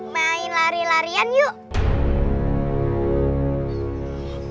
main lari larian yuk